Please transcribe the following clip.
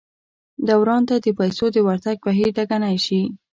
دوران ته د پیسو د ورتګ بهیر ټکنی شي.